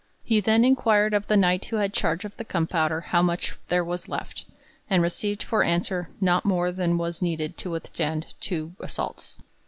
He then inquired of the Knight who had charge of the gunpowder how much there was left, and received for answer 'not more than was needed to withstand two assaults.'